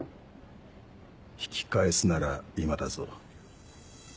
引き返すなら今だぞ。